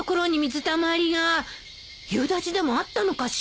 夕立でもあったのかしら？